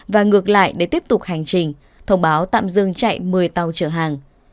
và ngược lại để tiếp tục hành trình thông báo tạm dừng chạy một mươi tàu chở hàng